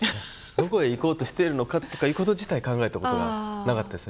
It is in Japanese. どこへ行こうとしてるのかとかいうこと自体考えたことがなかったですね。